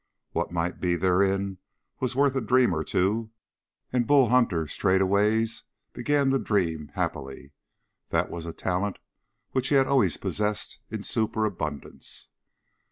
What might be therein was worth a dream or two, and Bull Hunter straightway began to dream, happily. That was a talent which he had always possessed in superabundance.